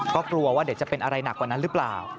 ก็กลัวว่าเดี๋ยวจะเป็นอะไรหนักกว่านั้นหรือเปล่า